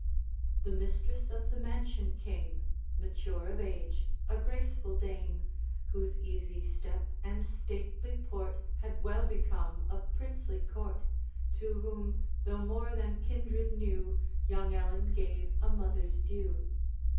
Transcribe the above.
The mistress of the mansion came, Mature of age, a graceful dame, Whose easy step and stately port Had well become a princely court, To whom, though more than kindred knew, Young Ellen gave a mother's due.